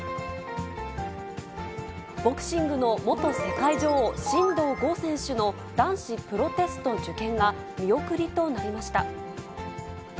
ボクシングの元世界女王、真道ゴー選手の男子プロテスト受験が見送りとなりました。